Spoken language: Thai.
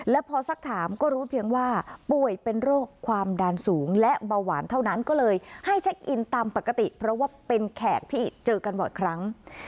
และพอสักถามก็รู้เพียงว่าป่วยเป็นโรคความดันสูงและเบาหวานเท่านั้นก็เลยให้เช็คอินตามปกติเพราะว่าเป็นแขกที่เจอกันบ่อยครั้ง